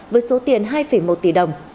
với số tiền hai một tỷ đồng